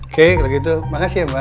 oke kalau gitu makasih ya mbak